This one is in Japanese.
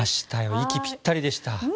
息ぴったりでした。